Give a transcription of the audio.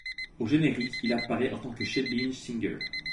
Au générique, il apparait en tant que Shebeen Singer.